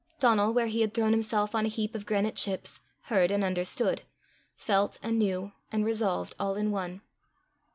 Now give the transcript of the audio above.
Donal, where he had thrown himself on a heap of granite chips, heard and understood, felt and knew and resolved all in one.